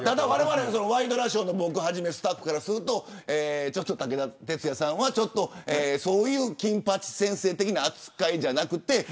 ワイドナショーをはじめスタッフからすると武田鉄矢さんはそういう金八先生的な扱いじゃなくて。